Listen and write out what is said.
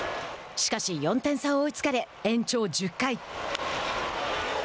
しかし、４点差を追いつかれ延長１０回。